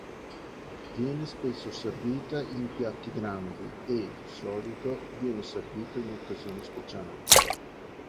Viene spesso servito in piatti grandi, e di solito viene servito in occasioni speciali.